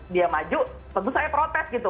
dia maju tentu saya protes gitu